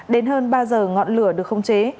đến hơn ba giờ ngọn lửa được không chế